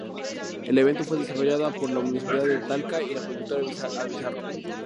El evento fue desarrollado por la Municipalidad de Talca y la productora Bizarro.